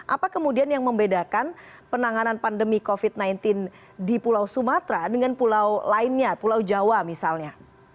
apa kemudian yang membedakan penanganan pandemi covid sembilan belas di pulau sumatera dengan pulau lainnya pulau jawa misalnya